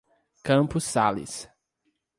Campos Sales